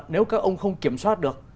nếu các ông không kiểm soát được